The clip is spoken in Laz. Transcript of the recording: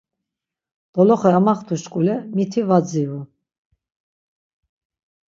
Doloxe amaxtuşkule miti var dziru.